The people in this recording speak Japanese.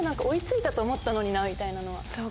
追い付いたと思ったのにな」みたいなのは。